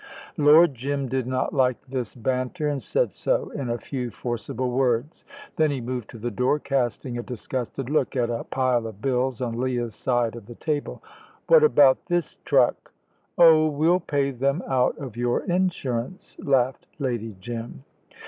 Lord Jim did not like this banter, and said so in a few forcible words. Then he moved to the door, casting a disgusted look at a pile of bills on Leah's side of the table. "What about this truck?" "Oh, we'll pay them out of your insurance," laughed Lady Jim.